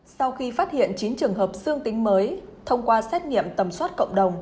sau khi phát hiện chín trường hợp dương tính mới thông qua xét nghiệm tầm soát cộng đồng